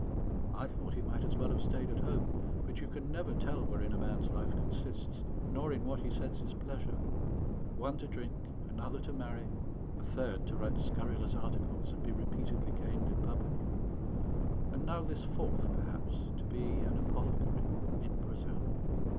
I thought he might as well have stayed at home; but you never can tell wherein a man's life consists, nor in what he sets his pleasure: one to drink, another to marry, a third to write scurrilous articles and be repeatedly caned in public, and now this fourth, perhaps, to be an apothecary in Brazil.